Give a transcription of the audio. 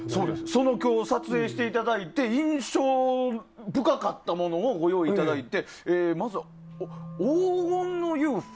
その撮影をしていただいて印象深かったものをご用意いただいてまず、黄金のＵＦＯ？